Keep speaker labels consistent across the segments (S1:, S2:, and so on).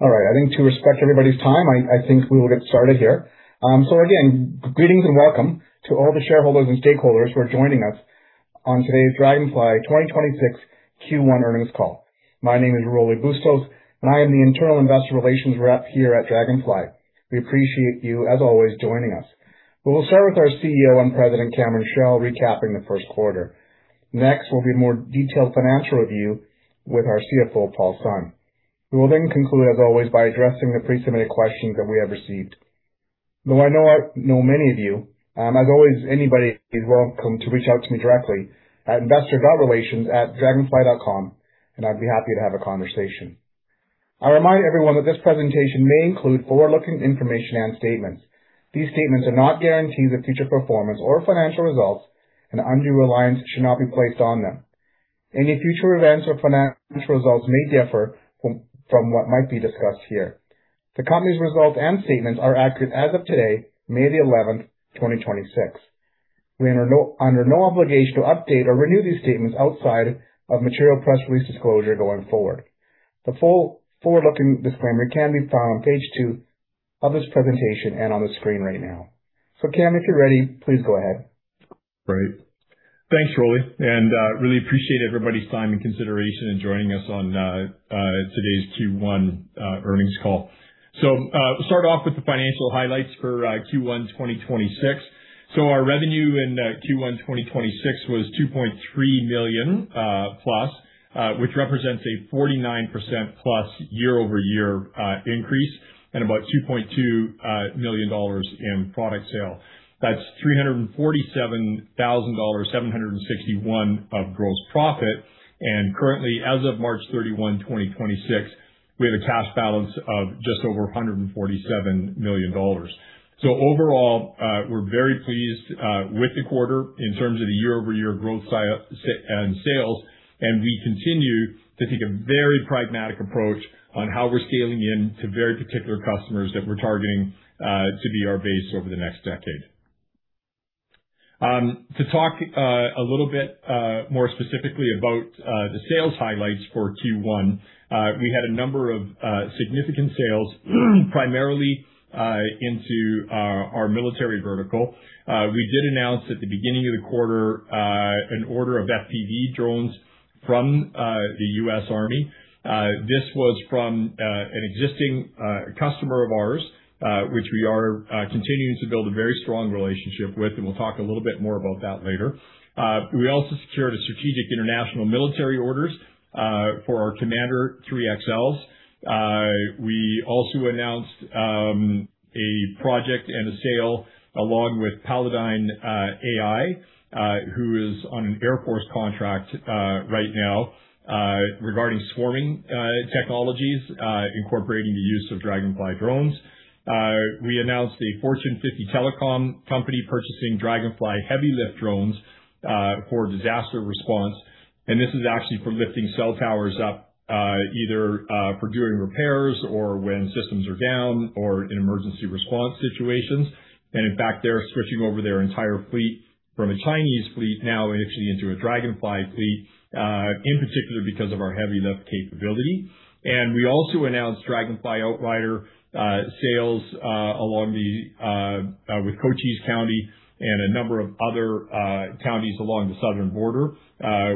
S1: All right. I think to respect everybody's time, I think we will get started here. Again, greetings and welcome to all the shareholders and stakeholders who are joining us on today's Draganfly 2026 Q1 earnings call. My name is Rolly Bustos, and I am the Internal Investor Relations Rep here at Draganfly. We appreciate you, as always, joining us. We will start with our CEO and President, Cameron Chell, recapping the first quarter. Next will be more detailed financial review with our CFO, Paul Sun. We will conclude, as always, by addressing the pre-submitted questions that we have received. I know many of you, as always, anybody is welcome to reach out to me directly at investor.relations@draganfly.com, I'd be happy to have a conversation. I remind everyone that this presentation may include forward-looking information and statements. These statements are not guarantees of future performance or financial results, and undue reliance should not be placed on them. Any future events or financial results may differ from what might be discussed here. The company's results and statements are accurate as of today, May the 11th, 2026. We are under no obligation to update or renew these statements outside of material press release disclosure going forward. The full forward-looking disclaimer can be found on page two of this presentation and on the screen right now. Cam, if you're ready, please go ahead.
S2: Great. Thanks, Rolly, really appreciate everybody's time and consideration in joining us on today's Q1 earnings call. Start off with the financial highlights for Q1 2026. Our revenue in Q1 2026 was $2.3 million+, which represents a 49%+ year-over-year increase and about $2.2 million in product sale. That's $347,761 of gross profit. Currently, as of March 31, 2026, we have a cash balance of just over $147 million. Overall, we're very pleased with the quarter in terms of the year-over-year growth sales, and we continue to take a very pragmatic approach on how we're scaling in to very particular customers that we're targeting to be our base over the next decade. To talk a little bit more specifically about the sales highlights for Q1, we had a number of significant sales, primarily into our military vertical. We did announce at the beginning of the quarter an order of FPV drones from the U.S. Army. This was from an existing customer of ours, which we are continuing to build a very strong relationship with, and we'll talk a little bit more about that later. We also secured a strategic international military orders for our Commander 3XLs. We also announced a project and a sale along with Palladyne AI, who is on an Air Force contract right now, regarding swarming technologies, incorporating the use of Draganfly drones. We announced a Fortune 50 telecom company purchasing Draganfly heavy lift drones for disaster response. This is actually for lifting cell towers up, either for doing repairs or when systems are down, or in emergency response situations. In fact, they're switching over their entire fleet from a Chinese fleet now and actually into a Draganfly fleet in particular, because of our heavy lift capability. We also announced Draganfly Outrider sales along with Cochise County and a number of other counties along the southern border,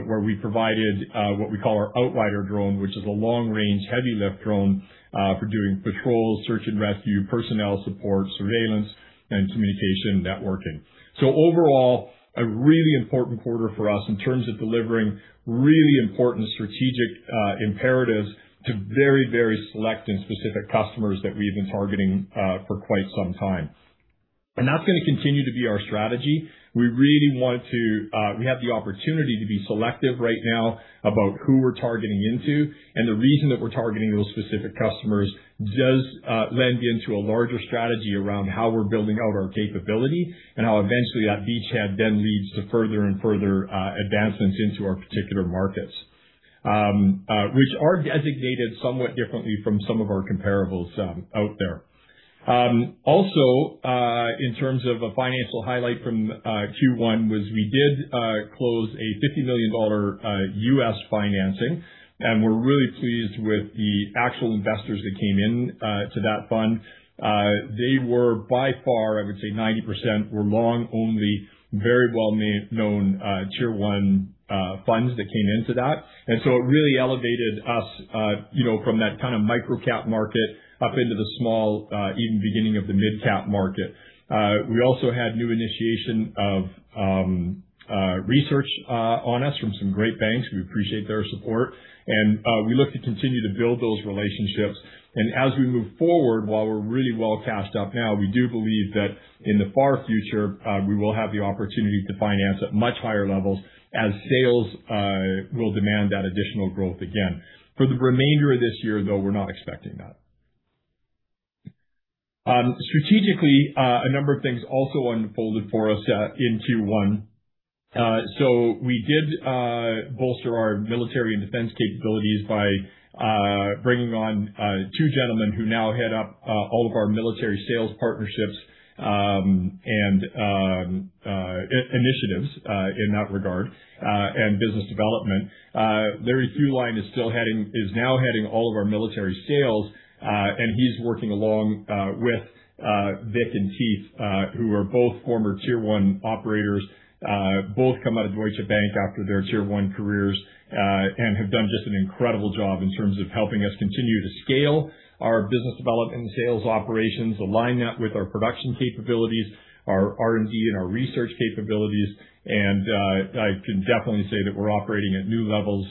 S2: where we provided what we call our Outrider drone, which is a long-range heavy lift drone for doing patrols, search and rescue, personnel support, surveillance, and communication networking. Overall, a really important quarter for us in terms of delivering really important strategic imperatives to very, very select and specific customers that we've been targeting for quite some time. That's gonna continue to be our strategy. We really have the opportunity to be selective right now about who we're targeting into. The reason that we're targeting those specific customers does lend into a larger strategy around how we're building out our capability and how eventually that beachhead leads to further and further advancements into our particular markets, which are designated somewhat differently from some of our comparables out there. Also, in terms of a financial highlight from Q1, we did close a $50 million U.S. financing, and we're really pleased with the actual investors that came in to that fund. They were by far, I would say 90% were long-only, very well-known, Tier 1 funds that came into that. It really elevated us, you know, from that kind of micro-cap market up into the small, even beginning of the mid-cap market. We also had new initiation of research on us from some great banks. We appreciate their support and we look to continue to build those relationships. As we move forward, while we're really well cashed up now, we do believe that in the far future, we will have the opportunity to finance at much higher levels as sales will demand that additional growth again. For the remainder of this year, though, we're not expecting that. Strategically, a number of things also unfolded for us in Q1. We did bolster our military and defense capabilities by bringing on two gentlemen who now head up all of our military sales partnerships and initiatives in that regard and business development. Larry Fuline is now heading all of our military sales, and he's working along with Vic and Keith, who are both former tier 1 operators. Both come out of Deutsche Bank after their tier 1 careers, and have done just an incredible job in terms of helping us continue to scale our business development and sales operations, align that with our production capabilities, our R&D and our research capabilities. I can definitely say that we're operating at new levels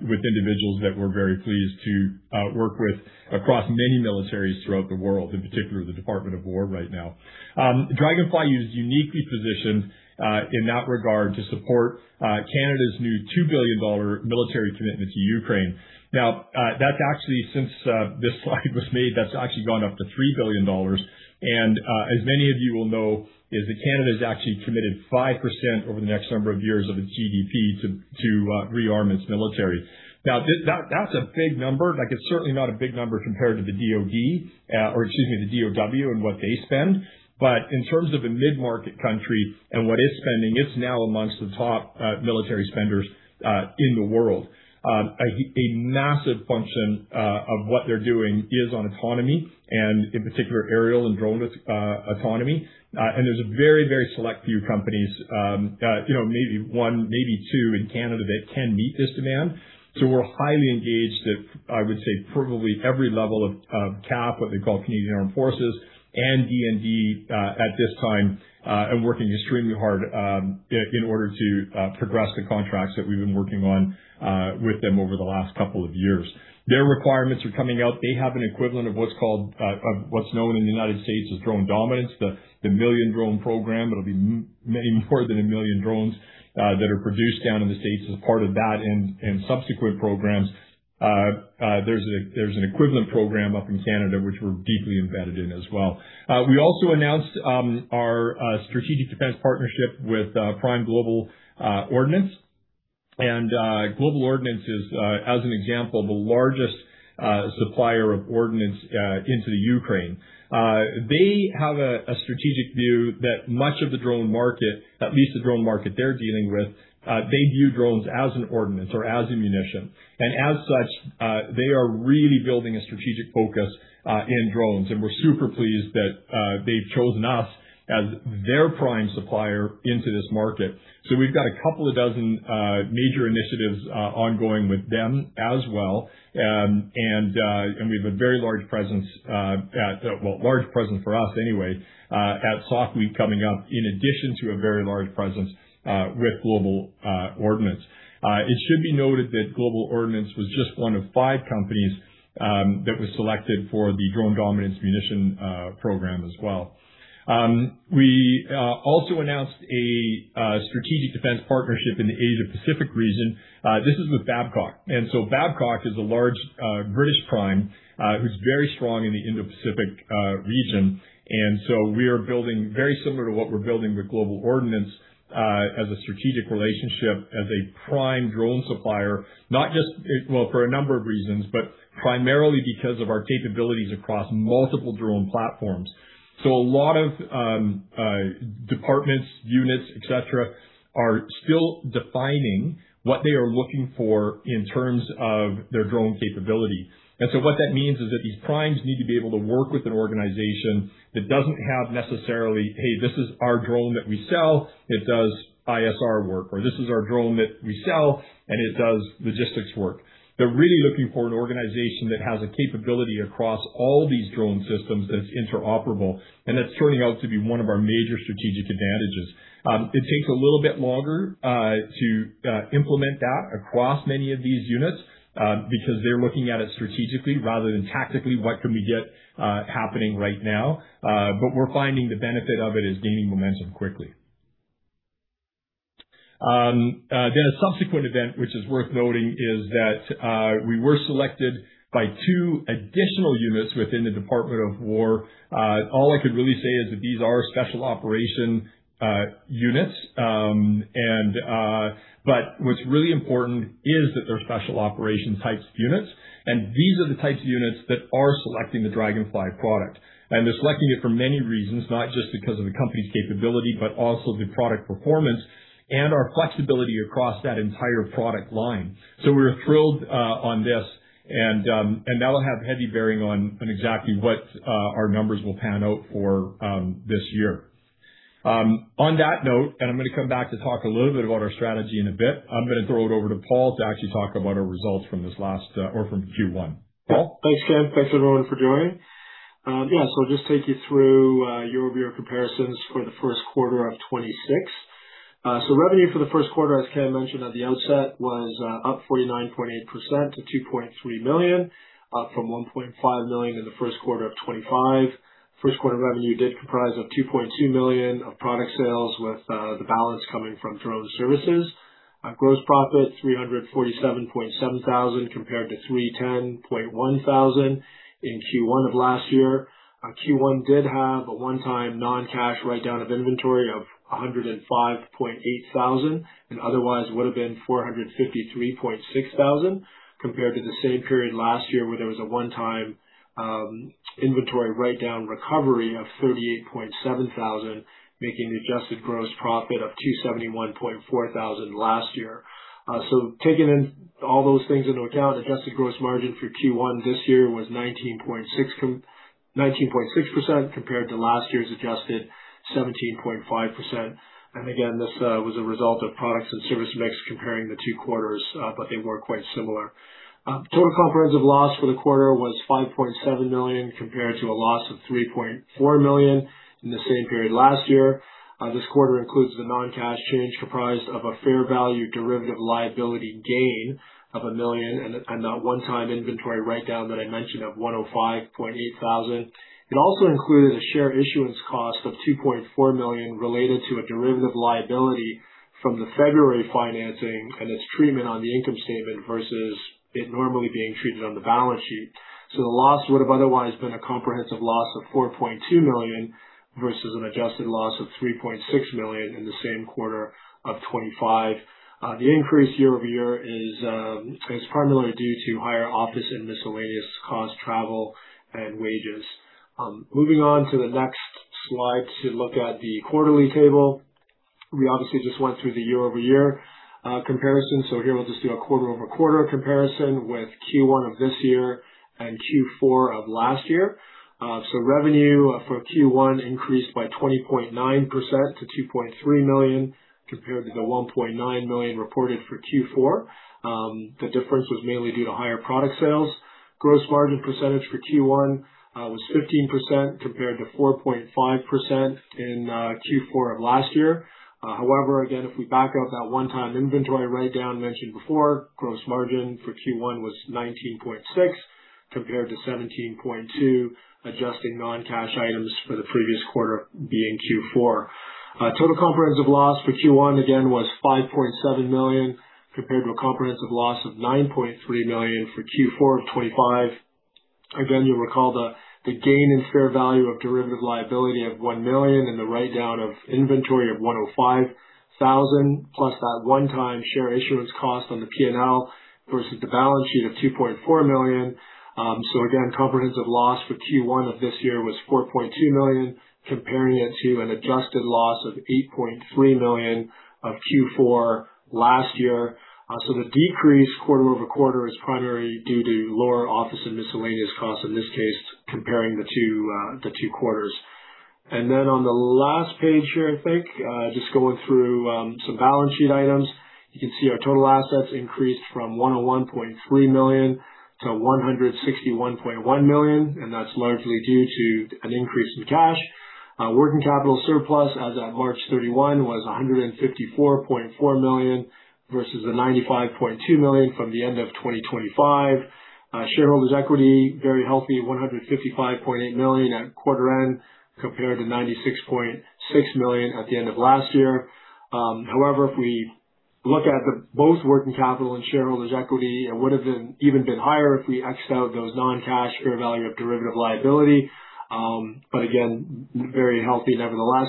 S2: with individuals that we're very pleased to work with across many militaries throughout the world, in particular the Department of War right now. Draganfly is uniquely positioned in that regard to support Canada's new 2 billion dollar military commitment to Ukraine. That's actually since this slide was made, that's actually gone up to 3 billion dollars. As many of you will know is that Canada has actually committed 5% over the next number of years of its GDP to rearm its military. That's a big number. Like, it's certainly not a big number compared to the DoD, or excuse me, the DoW and what they spend. In terms of a mid-market country and what it's spending, it's now amongst the top military spenders in the world. A massive function of what they're doing is on autonomy and in particular aerial and drone autonomy. There's a very, very select few companies, you know, maybe one, maybe two in Canada that can meet this demand. We're highly engaged at, I would say probably every level of CAF, what they call Canadian Armed Forces and DND, at this time, and working extremely hard in order to progress the contracts that we've been working on with them over the last couple of years. Their requirements are coming out. They have an equivalent of what's called, of what's known in the U.S. as Drone Dominance, the million drone program. It'll be many more than a million drones that are produced down in the States as part of that and subsequent programs. There's an equivalent program up in Canada which we're deeply embedded in as well. We also announced our strategic defense partnership with prime Global Ordnance. Global Ordnance is, as an example, the largest supplier of ordnance into the Ukraine. They have a strategic view that much of the drone market, at least the drone market they're dealing with, they view drones as an ordnance or as ammunition. As such, they are really building a strategic focus in drones. We're super pleased that they've chosen us as their prime supplier into this market. We've got a couple of dozen major initiatives ongoing with them as well. We have a very large presence, well large presence for us anyway, at SOF Week coming up, in addition to a very large presence with Global Ordnance. It should be noted that Global Ordnance was just one of five companies that was selected for the Drone Dominance Munition Program as well. We also announced a strategic defense partnership in the Asia-Pacific region. This is with Babcock. Babcock is a large British prime who's very strong in the Indo-Pacific region. We are building very similar to what we're building with Global Ordnance as a strategic relationship as a prime drone supplier, not just well, for a number of reasons, but primarily because of our capabilities across multiple drone platforms. A lot of departments, units, et cetera, are still defining what they are looking for in terms of their drone capability. What that means is that these primes need to be able to work with an organization that doesn't have necessarily, hey, this is our drone that we sell, it does ISR work, or this is our drone that we sell, and it does logistics work. They're really looking for an organization that has a capability across all these drone systems that's interoperable, and that's turning out to be one of our major strategic advantages. It takes a little bit longer to implement that across many of these units because they're looking at it strategically rather than tactically, what can we get happening right now? We're finding the benefit of it is gaining momentum quickly. A subsequent event which is worth noting is that we were selected by two additional units within the Department of War. All I could really say is that these are special operation units. What's really important is that they're special operations types units, and these are the types of units that are selecting the Draganfly product. They're selecting it for many reasons, not just because of the company's capability, but also the product performance and our flexibility across that entire product line. We're thrilled on this, and that'll have heavy bearing on exactly what our numbers will pan out for this year. On that note, I'm gonna come back to talk a little bit about our strategy in a bit. I'm gonna throw it over to Paul to actually talk about our results from this last or from Q1. Paul?
S3: Thanks, Cam. Thanks, everyone, for joining. Yeah, I'll just take you through year-over-year comparisons for the first quarter of 2026. Revenue for the first quarter, as Cam mentioned at the outset, was up 49.8% to $2.3 million, up from $1.5 million in the first quarter of 2025. First quarter revenue did comprise of $2.2 million of product sales with the balance coming from drone services. Gross profit $347,761 compared to $310,100 in Q1 of last year. Q1 did have a one-time non-cash write-down of inventory of $105,800 and otherwise would have been $453,600 compared to the same period last year, where there was a one-time inventory write-down recovery of $38,700, making the adjusted gross profit of $271,400 last year. Taking in all those things into account, adjusted gross margin for Q1 this year was 19.6% compared to last year's adjusted 17.5%. Again, this was a result of products and service mix comparing the two quarters, they were quite similar. Total comprehensive loss for the quarter was $5.7 million compared to a loss of $3.4 million in the same period last year. This quarter includes the non-cash change comprised of a fair value derivative liability gain of $1 million and that one-time inventory write-down that I mentioned of $105,800. It also included a share issuance cost of $2.4 million related to a derivative liability from the February financing and its treatment on the income statement versus it normally being treated on the balance sheet. The loss would have otherwise been a comprehensive loss of $4.2 million versus an adjusted loss of $3.6 million in the same quarter of 2025. The increase year-over-year is primarily due to higher office and miscellaneous costs, travel and wages. Moving on to the next slide to look at the quarterly table. We obviously just went through the year-over-year comparison. Here we'll just do a quarter-over-quarter comparison with Q1 of this year and Q4 of last year. Revenue for Q1 increased by 20.9% to $2.3 million, compared to the $1.9 million reported for Q4. The difference was mainly due to higher product sales. Gross margin percentage for Q1 was 15% compared to 4.5% in Q4 of last year. However, again, if we back out that one-time inventory write-down mentioned before, gross margin for Q1 was 19.6% compared to 17.2%, adjusting non-cash items for the previous quarter being Q4. Total comprehensive loss for Q1 again was $5.7 million, compared to a comprehensive loss of $9.3 million for Q4 of 2025. You'll recall the gain in fair value of derivative liability of $1 million and the write-down of inventory of $105,000, plus that one-time share issuance cost on the P&L versus the balance sheet of $2.4 million. Again, comprehensive loss for Q1 of this year was $4.2 million, comparing it to an adjusted loss of $8.3 million of Q4 last year. The decrease quarter-over-quarter is primarily due to lower office and miscellaneous costs in this case, comparing the two quarters. On the last page here, I think, just going through some balance sheet items. You can see our total assets increased from $101.3 million to $161.1 million, and that's largely due to an increase in cash. Working capital surplus as at March 31 was $154.4 million, versus the $95.2 million from the end of 2025. Shareholders equity very healthy, $155.8 million at quarter-end compared to $96.6 million at the end of last year. However, if we look at the both working capital and shareholders equity, it would have been even higher if we ex-out those non-cash fair value of derivative liability. Again, very healthy nevertheless.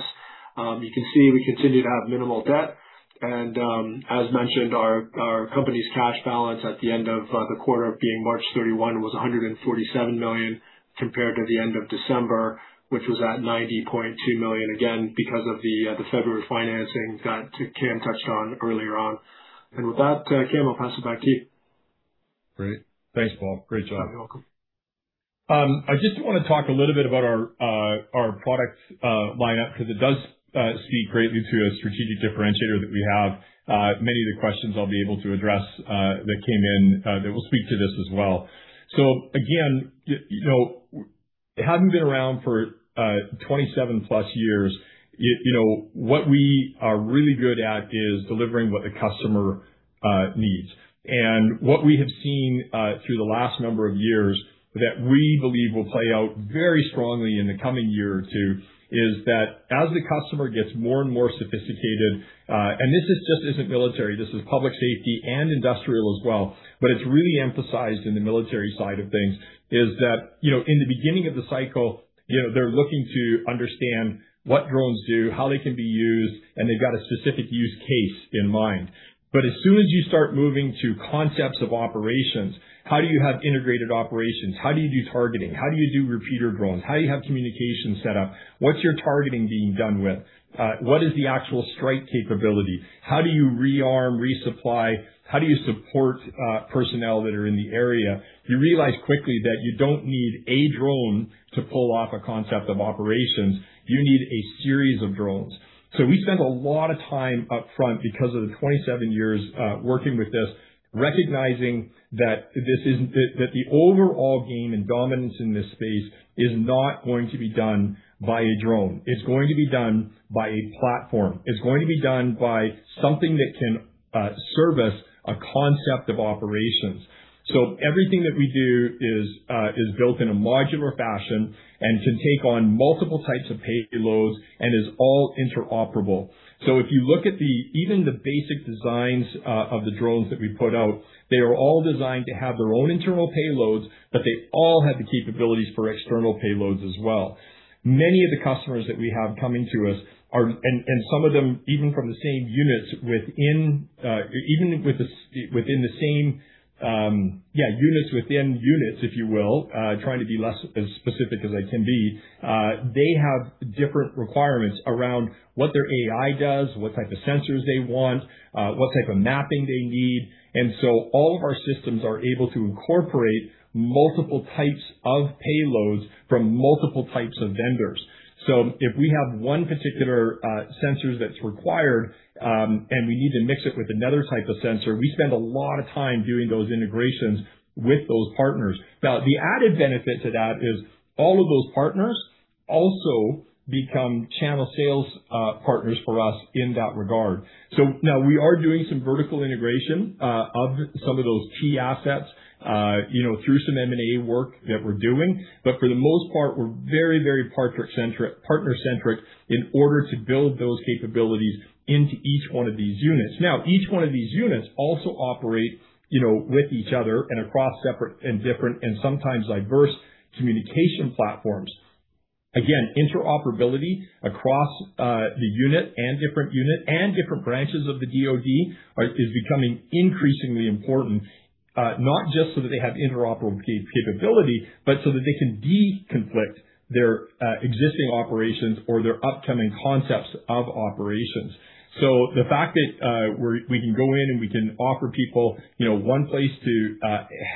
S3: You can see we continue to have minimal debt. As mentioned, our company's cash balance at the end of the quarter being March 31 was $147 million compared to the end of December, which was at $90.2 million. Again, because of the February financing that Cam touched on earlier on. With that, Cam, I'll pass it back to you.
S2: Great. Thanks, Paul. Great job.
S3: You're welcome.
S2: I just want to talk a little bit about our product lineup because it does speak greatly to a strategic differentiator that we have. Many of the questions I'll be able to address that came in that will speak to this as well. Again, you know, having been around for 27+ years, you know, what we are really good at is delivering what the customer needs. What we have seen, through the last number of years that we believe will play out very strongly in the coming year or two, is that as the customer gets more and more sophisticated, and this is just isn't military, this is public safety and industrial as well, but it's really emphasized in the military side of things, is that, you know, in the beginning of the cycle, you know, they're looking to understand what drones do, how they can be used, and they've got a specific use case in mind. As soon as you start moving to concepts of operations, how do you have integrated operations? How do you do targeting? How do you do repeater drones? How do you have communication set up? What's your targeting being done with? What is the actual strike capability? How do you rearm, resupply? How do you support personnel that are in the area? You realize quickly that you don't need a drone to pull off a concept of operations. You need a series of drones. We spend a lot of time upfront because of the 27 years working with this, recognizing that the overall game and dominance in this space is not going to be done by a drone. It's going to be done by a platform. It's going to be done by something that can service a concept of operations. Everything that we do is built in a modular fashion and can take on multiple types of payloads and is all interoperable. If you look at the, even the basic designs of the drones that we put out, they are all designed to have their own internal payloads, but they all have the capabilities for external payloads as well. Many of the customers that we have coming to us are, some of them, even from the same units within, even with the within the same, yeah, units within units, if you will, trying to be less as specific as I can be. They have different requirements around what their AI does, what type of sensors they want, what type of mapping they need. All of our systems are able to incorporate multiple types of payloads from multiple types of vendors. If we have one particular sensors that's required, and we need to mix it with another type of sensor, we spend a lot of time doing those integrations with those partners. Now, the added benefit to that is all of those partners also become channel sales partners for us in that regard. Now we are doing some vertical integration of some of those key assets, you know, through some M&A work that we're doing. For the most part, we're very, very partner-centric in order to build those capabilities into each one of these units. Now, each one of these units also operate, you know, with each other, and across separate and different and sometimes diverse communication platforms. Interoperability across the unit and different branches of the DoD is becoming increasingly important, not just so that they have interoperable capability, but so that they can de-conflict their existing operations or their upcoming concepts of operations. The fact that we can go in and we can offer people, you know, one place to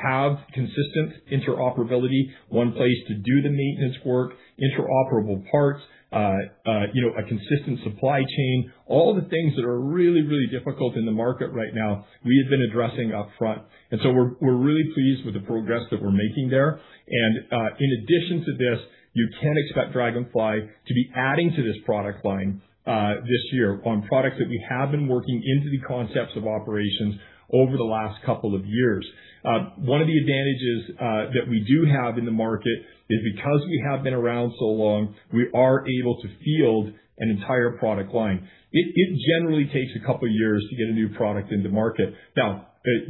S2: have consistent interoperability, one place to do the maintenance work, interoperable parts, you know, a consistent supply chain. All the things that are really, really difficult in the market right now, we have been addressing upfront. We're really pleased with the progress that we're making there. In addition to this, you can expect Draganfly to be adding to this product line this year on products that we have been working into the concepts of operations over the last couple of years. One of the advantages that we do have in the market is because we have been around so long, we are able to field an entire product line. It generally takes a couple of years to get a new product into market. Now,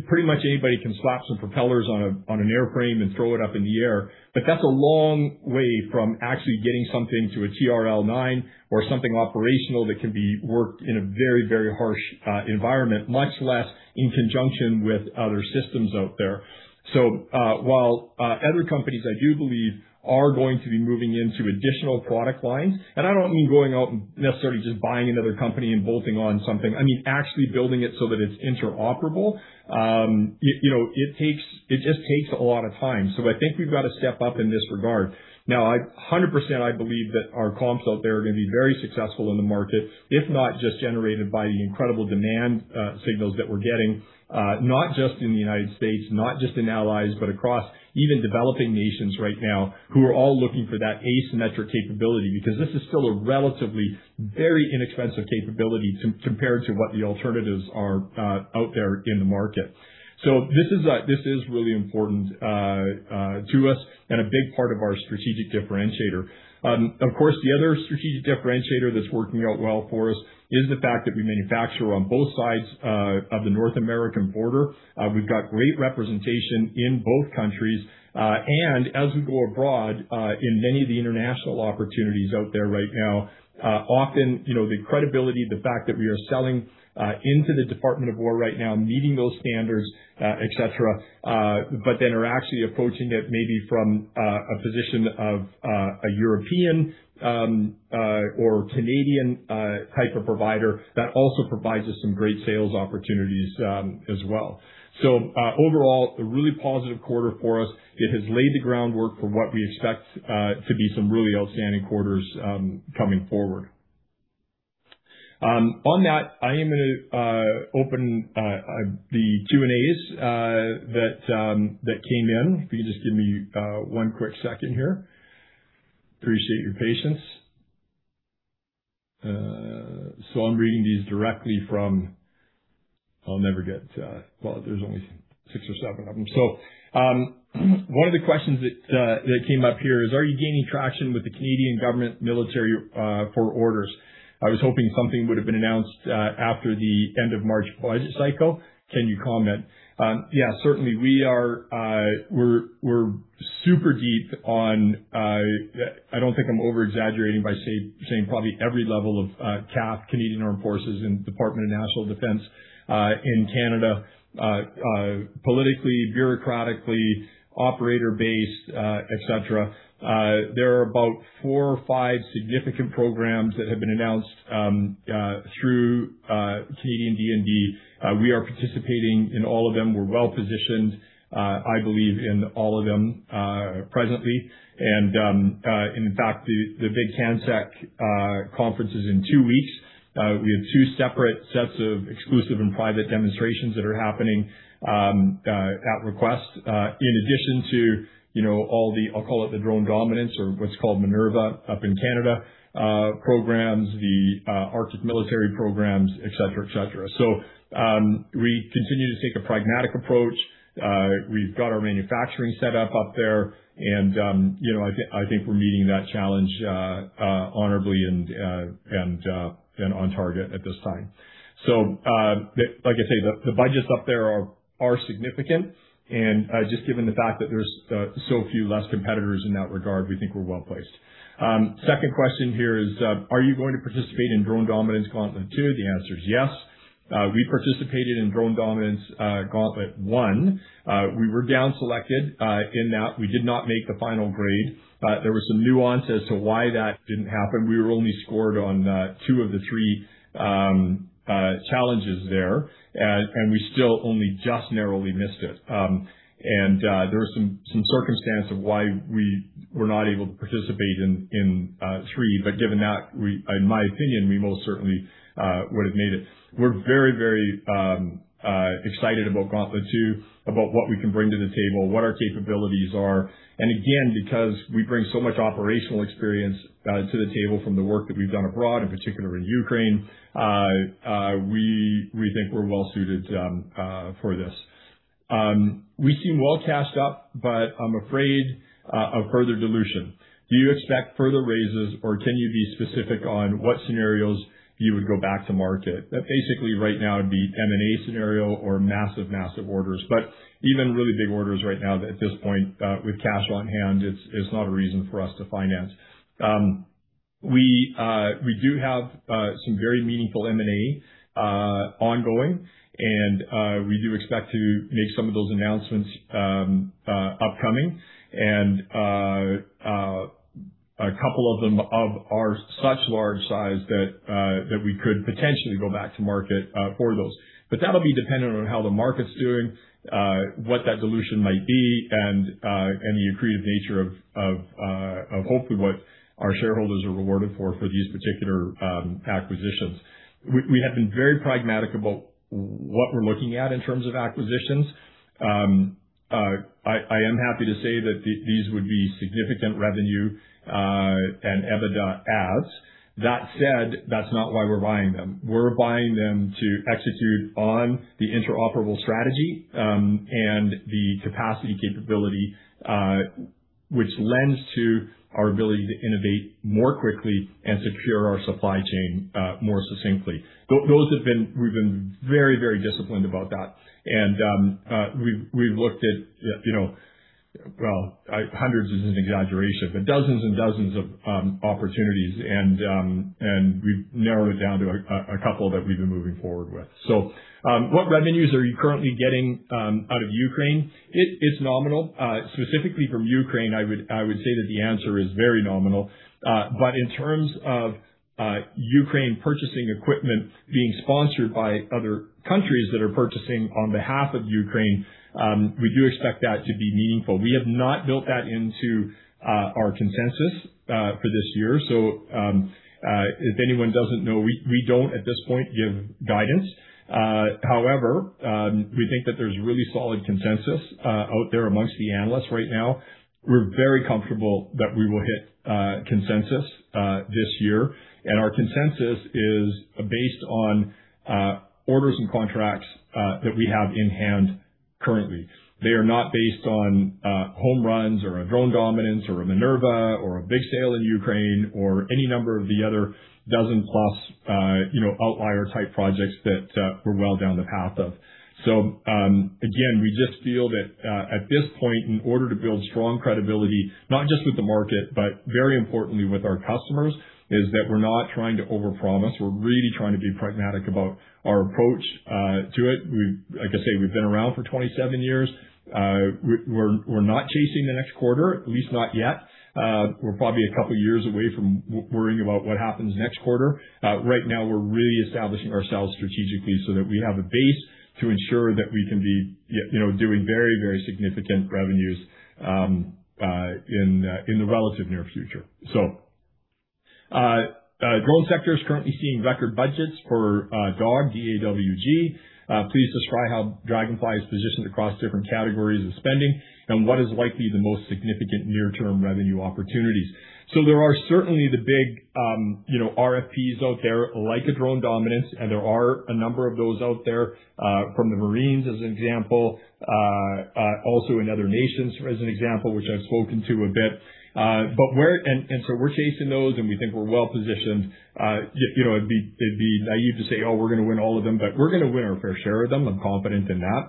S2: pretty much anybody can slap some propellers on an airframe and throw it up in the air. That's a long way from actually getting something to a TRL 9 or something operational that can be worked in a very harsh environment, much less in conjunction with other systems out there. While other companies, I do believe, are going to be moving into additional product lines, and I don't mean going out and necessarily just buying another company and bolting on something. I mean, actually building it so that it's interoperable. You know, it just takes a lot of time. I think we've got a step up in this regard. Now, I 100% I believe that our comps out there are going to be very successful in the market, if not just generated by the incredible demand signals that we're getting, not just in the U.S., not just in allies, but across even developing nations right now who are all looking for that asymmetric capability. This is still a relatively very inexpensive capability compared to what the alternatives are out there in the market. This is really important to us and a big part of our strategic differentiator. Of course, the other strategic differentiator that's working out well for us is the fact that we manufacture on both sides of the North American border. We've got great representation in both countries. As we go abroad, in many of the international opportunities out there right now, often, you know, the credibility, the fact that we are selling into the Department of War right now, meeting those standards, et cetera, but then are actually approaching it maybe from a position of a European or Canadian type of provider that also provides us some great sales opportunities as well. Overall, a really positive quarter for us. It has laid the groundwork for what we expect to be some really outstanding quarters coming forward. On that, I am gonna open the Q&As that came in. If you could just give me one quick second here. Appreciate your patience. I'm reading these directly from Well, there's only six or seven of them. One of the questions that came up here is, are you gaining traction with the Canadian government military for orders? I was hoping something would have been announced after the end of March budget cycle. Can you comment? Yeah, certainly. We're super deep on, I don't think I'm over-exaggerating by saying probably every level of CAF, Canadian Armed Forces, and Department of National Defence, in Canada, politically, bureaucratically, operator-based, et cetera. There are about four or five significant programs that have been announced through Canadian DND. We are participating in all of them. We're well-positioned, I believe, in all of them, presently. In fact, the big CANSEC conference is in two weeks. We have two separate sets of exclusive and private demonstrations that are happening at request. In addition to, you know, all the, I'll call it the Drone Dominance or what's called MINERVA up in Canada programs, the Arctic military programs, et cetera, et cetera. We continue to take a pragmatic approach. We've got our manufacturing set up up there and, you know, I think we're meeting that challenge honorably and on target at this time. Like I say, the budgets up there are significant. Just given the fact that there's so few less competitors in that regard, we think we're well-placed. Second question here is, are you going to participate in Drone Dominance Gauntlet II? The answer is yes. We participated in Drone Dominance Gauntlet I. We were down selected in that. We did not make the final grade. There was some nuance as to why that didn't happen. We were only scored on two of the three challenges there. We still only just narrowly missed it. There were some circumstance of why we were not able to participate in three. Given that, in my opinion, we most certainly would have made it. We're very, very excited about Gauntlet II, about what we can bring to the table, what our capabilities are. Again, because we bring so much operational experience to the table from the work that we've done abroad, in particular in Ukraine, we think we're well suited for this. We seem well cashed up, but I'm afraid of further dilution. Do you expect further raises, or can you be specific on what scenarios you would go back to market? That basically right now would be M&A scenario or massive orders. Even really big orders right now at this point, with cash on hand, it's not a reason for us to finance. We do have some very meaningful M&A ongoing. We do expect to make some of those announcements upcoming. A couple of them are such large size that we could potentially go back to market for those. That'll be dependent on how the market's doing, what that dilution might be and the accretive nature of hopefully what our shareholders are rewarded for these particular acquisitions. We have been very pragmatic about what we're looking at in terms of acquisitions. I am happy to say that these would be significant revenue and EBITDA adds. That said, that's not why we're buying them. We're buying them to execute on the interoperable strategy and the capacity capability, which lends to our ability to innovate more quickly and secure our supply chain more succinctly. We've been very disciplined about that. We've looked at, you know, well, hundreds is an exaggeration, but dozens and dozens of opportunities. We've narrowed it down to a couple that we've been moving forward with. What revenues are you currently getting out of Ukraine? It's nominal. Specifically from Ukraine, I would say that the answer is very nominal. In terms of Ukraine purchasing equipment being sponsored by other countries that are purchasing on behalf of Ukraine, we do expect that to be meaningful. We have not built that into our consensus for this year. If anyone doesn't know, we don't at this point give guidance. However, we think that there's really solid consensus out there amongst the analysts right now. We're very comfortable that we will hit consensus this year. Our consensus is based on orders and contracts that we have in hand currently. They are not based on home runs, or a Drone Dominance, or a MINERVA, or a big sale in Ukraine, or any number of the other dozen plus, you know, outlier type projects that we're well down the path of. Again, we just feel that, at this point, in order to build strong credibility, not just with the market, but very importantly with our customers, is that we're not trying to overpromise. We're really trying to be pragmatic about our approach to it. We've, like I say, we've been around for 27 years. We're not chasing the next quarter, at least not yet. We're probably a couple of years away from worrying about what happens next quarter. Right now we're really establishing ourselves strategically so that we have a base to ensure that we can be, you know, doing very, very significant revenues in the relative near future. Drone sector is currently seeing record budgets for DAWG, D-A-W-G. Please describe how Draganfly is positioned across different categories of spending and what is likely the most significant near-term revenue opportunities. There are certainly the big, you know, RFPs out there like a Drone Dominance, and there are a number of those out there, from the Marines, as an example, also in other nations, as an example, which I've spoken to a bit. We're chasing those, and we think we're well-positioned. You know, it'd be naive to say, oh, we're gonna win all of them, but we're gonna win our fair share of them. I'm confident in that.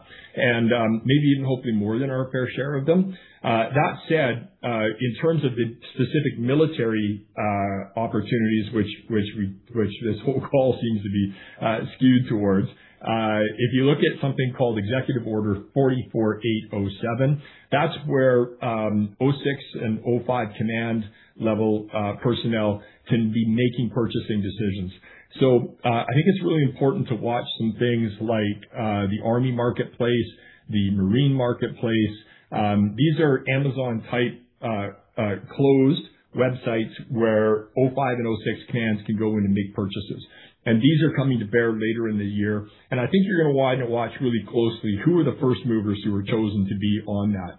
S2: Maybe even hopefully more than our fair share of them. That said, in terms of the specific military opportunities which we, which this whole call seems to be skewed towards, if you look at something called Executive Order 44087, that's where O-6 and O-5 command level personnel can be making purchasing decisions. I think it's really important to watch some things like the Army Marketplace, the Marine Marketplace. These are Amazon type closed websites where O-5 and O-6s can go in and make purchases. These are coming to bear later in the year. I think you're gonna wanna watch really closely who are the first movers who are chosen to be on that.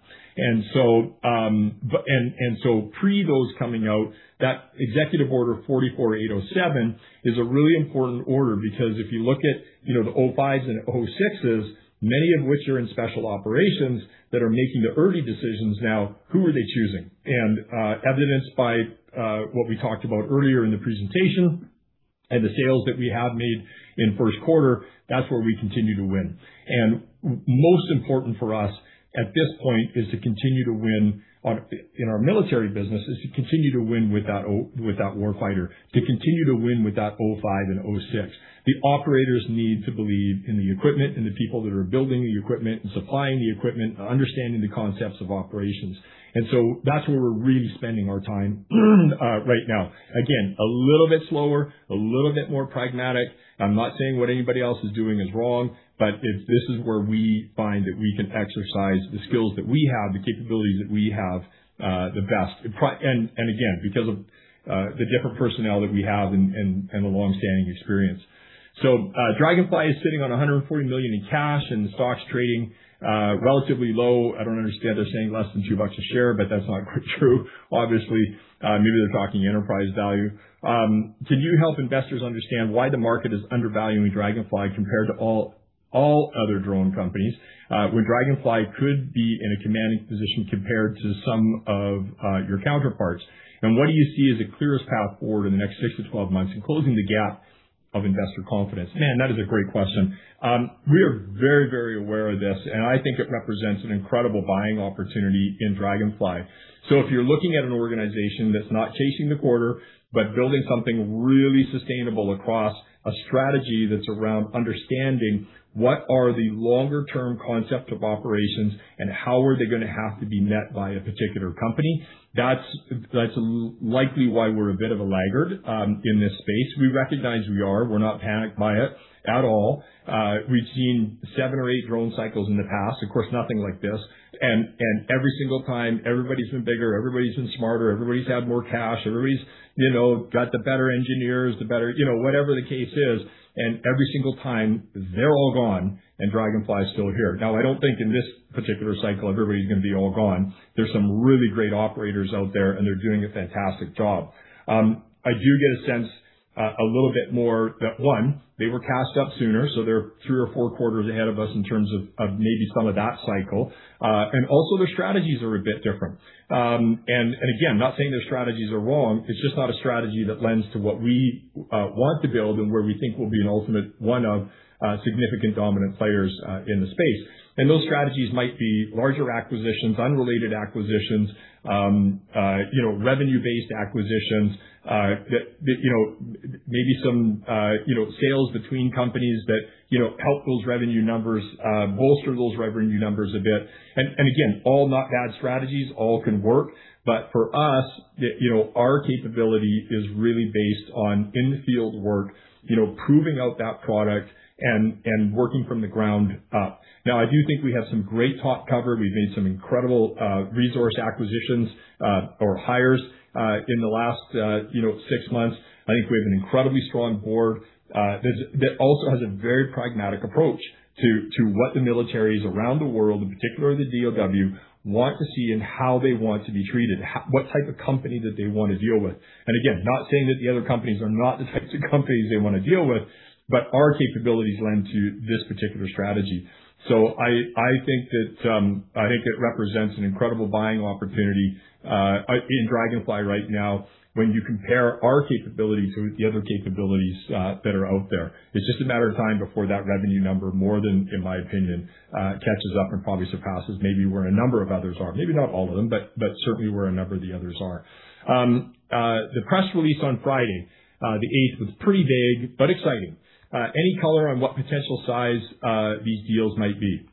S2: Pre those coming out, that Executive Order 44087 is a really important order because if you look at, you know, the O-5s and O-6s, many of which are in Special Operations that are making the early decisions now, who are they choosing? Evidenced by what we talked about earlier in the presentation. The sales that we have made in first quarter, that's where we continue to win. Most important for us at this point is to continue to win in our military business, is to continue to win with that warfighter, to continue to win with that O-5 and O-6. The operators need to believe in the equipment and the people that are building the equipment and supplying the equipment, understanding the concepts of operations. That's where we're really spending our time right now. Again, a little bit slower, a little bit more pragmatic. I'm not saying what anybody else is doing is wrong, but if this is where we find that we can exercise the skills that we have, the capabilities that we have, the best. Again, because of the different personnel that we have and the longstanding experience. Draganfly is sitting on $40 million in cash, and the stock's trading relatively low. I don't understand. They're saying less than $2 a share, but that's not quite true, obviously. Maybe they're talking enterprise value. Can you help investors understand why the market is undervaluing Draganfly compared to all other drone companies, where Draganfly could be in a commanding position compared to some of your counterparts? What do you see as the clearest path forward in the next six to 12 months in closing the gap of investor confidence? Man, that is a great question. We are very aware of this, and I think it represents an incredible buying opportunity in Draganfly. If you're looking at an organization that's not chasing the quarter, but building something really sustainable across a strategy that's around understanding what are the longer term concept of operations and how are they gonna have to be met by a particular company, that's likely why we're a bit of a laggard in this space. We recognize we are. We're not panicked by it at all. We've seen seven or eight drone cycles in the past. Of course, nothing like this. Every single time everybody's been bigger, everybody's been smarter, everybody's had more cash, everybody's, you know, got the better engineers, the better, you know, whatever the case is. Every single time they're all gone and Draganfly's still here. I don't think in this particular cycle everybody's gonna be all gone. There's some really great operators out there, and they're doing a fantastic job. I do get a sense a little bit more that, one, they were cast up sooner, so they're three or four quarters ahead of us in terms of maybe some of that cycle. Also their strategies are a bit different. Again, not saying their strategies are wrong, it's just not a strategy that lends to what we want to build and where we think we'll be an ultimate one of significant dominant players in the space. Those strategies might be larger acquisitions, unrelated acquisitions, you know, revenue-based acquisitions that, you know, maybe some, you know, sales between companies that, you know, help those revenue numbers bolster those revenue numbers a bit. Again, all not bad strategies, all can work. For us, you know, our capability is really based on in-the-field work, you know, proving out that product and working from the ground up. Now, I do think we have some great top cover. We've made some incredible resource acquisitions or hires in the last, you know, six months. I think we have an incredibly strong board that also has a very pragmatic approach to what the militaries around the world, in particular the DoW, want to see and how they want to be treated. What type of company that they wanna deal with. Again, not saying that the other companies are not the types of companies they wanna deal with, but our capabilities lend to this particular strategy. I think that I think it represents an incredible buying opportunity in Draganfly right now. When you compare our capabilities with the other capabilities that are out there, it's just a matter of time before that revenue number, more than, in my opinion, catches up and probably surpasses maybe where a number of others are. Maybe not all of them, but certainly where a number of the others are. The press release on Friday, the eighth, was pretty vague, but exciting. Any color on what potential size these deals might be?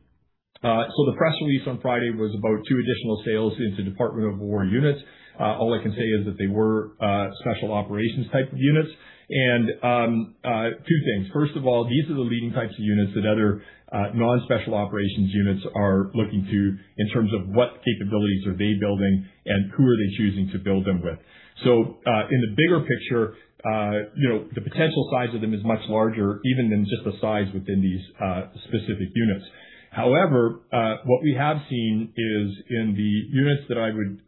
S2: The press release on Friday was about two additional sales into Department of War units. All I can say is that they were special operations type of units. Two things. First of all, these are the leading types of units that other non-special operations units are looking to in terms of what capabilities are they building and who are they choosing to build them with. In the bigger picture, you know, the potential size of them is much larger even than just the size within these specific units. However, what we have seen is in the units that I would,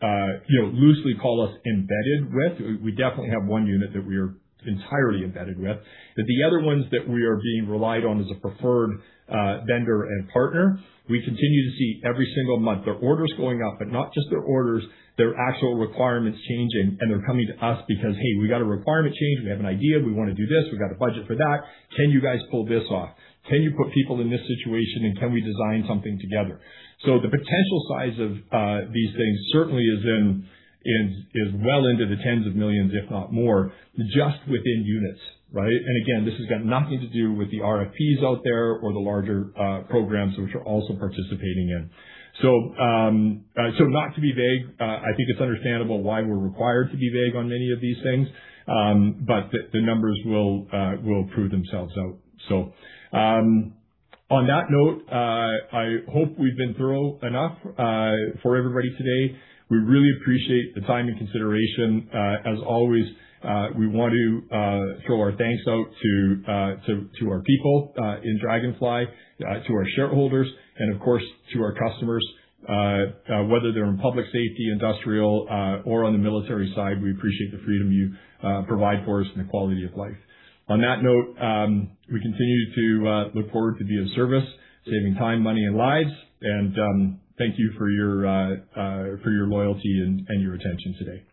S2: you know, loosely call us embedded with, we definitely have one unit that we are entirely embedded with. The other ones that we are being relied on as a preferred vendor and partner, we continue to see every single month their orders going up, but not just their orders, their actual requirements changing. They're coming to us because, hey, we've got a requirement change. We have an idea. We wanna do this. We've got a budget for that. Can you guys pull this off? Can you put people in this situation, and can we design something together? The potential size of these things certainly is in, is well into the tens of millions, if not more, just within units, right? Again, this has got nothing to do with the RFPs out there or the larger programs which we're also participating in. Not to be vague. I think it's understandable why we're required to be vague on many of these things. The numbers will prove themselves out. On that note, I hope we've been thorough enough for everybody today. We really appreciate the time and consideration. As always, we want to throw our thanks out to our people in Draganfly, to our shareholders, and of course to our customers. Whether they're in public safety, industrial, or on the military side, we appreciate the freedom you provide for us and the quality of life. On that note, we continue to look forward to be of service, saving time, money, and lives. Thank you for your loyalty and your attention today.